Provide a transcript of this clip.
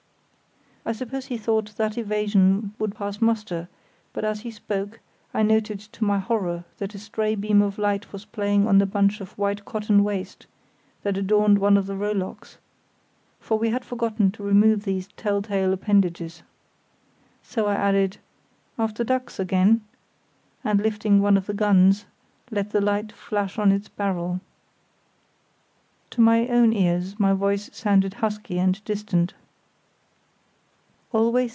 I suppose he thought that evasion would pass muster, but as he spoke, I noticed to my horror that a stray beam of light was playing on the bunch of white cotton waste that adorned one of the rowlocks: for we had forgotten to remove these tell tale appendages. So I added: "After ducks again"; and, lifting one of the guns, let the light flash on its barrel. To my own ears my voice sounded husky and distant.